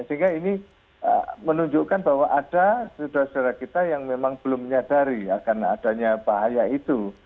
sehingga ini menunjukkan bahwa ada saudara saudara kita yang memang belum menyadari akan adanya bahaya itu